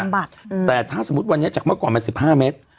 บำบัดอืมแต่ถ้าสมมุติวันนี้จากเมื่อก่อนมันสิบห้าเมตร